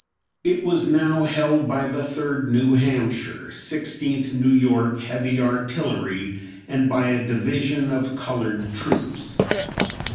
It was now held by the Third New Hampshire, Sixteenth New York heavy artillery, and by a division of colored troops.